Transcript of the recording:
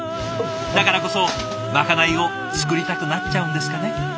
だからこそまかないを作りたくなっちゃうんですかね。